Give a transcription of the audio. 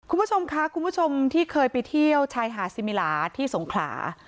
คุณผู้ชมค่ะคุณผู้ชมที่เคยไปเที่ยวชายหาดซิมิลาที่สงขลา